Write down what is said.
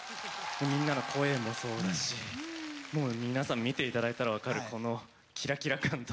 みんなの声もそうだし皆さん見ていただいたら分かるこのキラキラ感と。